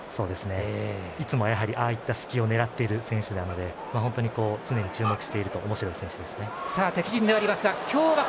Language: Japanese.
いつも、ああいった隙を狙っている選手なので常に注目していると面白い選手です。